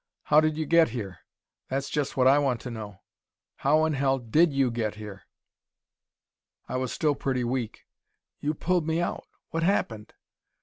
How did you get here? That's just what I want to know. How in hell did you get here?" I was still pretty weak. "You pulled me out. What happened?"